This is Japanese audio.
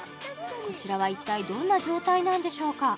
こちらは一体どんな状態なんでしょうか？